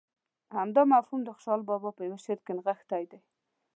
همدا مفهوم د خوشحال بابا په شعر کې نغښتی دی.